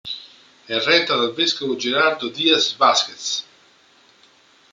È retta dal vescovo Gerardo Díaz Vázquez.